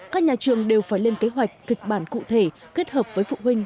các nhà trường đều phải lên kế hoạch kịch bản cụ thể kết hợp với phụ huynh